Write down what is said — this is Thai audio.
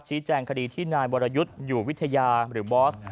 แจ้งคดีที่นายวรยุทธ์อยู่วิทยาหรือบอส